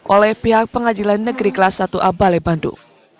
oleh pihak pengadilan negeri kelas satu a bale bandung